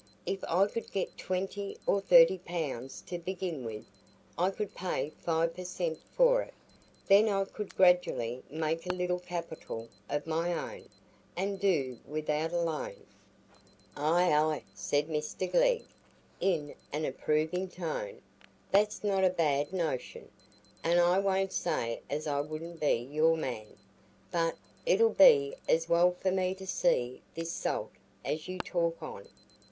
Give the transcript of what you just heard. If I could get twenty or thirty pounds to begin with, I could pay five per cent for it, and then I could gradually make a little capital of my own, and do without a loan." "Ay—ay," said Mr Glegg, in an approving tone; "that's not a bad notion, and I won't say as I wouldn't be your man. But it 'ull be as well for me to see this Salt, as you talk on.